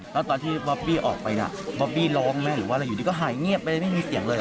แล้วตอนที่บอบบี้ออกไปน่ะบอบบี้ร้องไหมหรือว่าอะไรอยู่ดีก็หายเงียบไปเลยไม่มีเสียงเลยเห